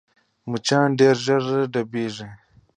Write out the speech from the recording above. مچان ډېر ژر ډېرېږي